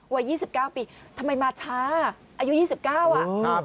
วัย๒๙ปีทำไมมาช้าอายุ๒๙อ่ะ